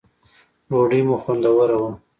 ډوډی مو خوندوره وه